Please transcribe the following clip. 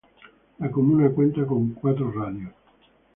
La comuna cuenta con cuatro radios.